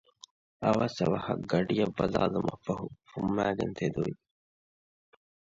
އަވަސް އަވަހަށް ގަޑިއަށް ބަލާލުމަށްފަހު ފުންމައިގެން ތެދުވި